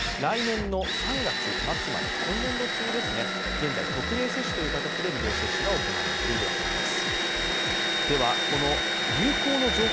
現在特例接種という形で無料接種が行われているわけです。